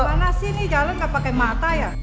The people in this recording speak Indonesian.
mana sih nih jalan gak pake mata ya